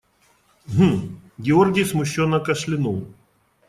Гм… – Георгий смущенно кашлянул.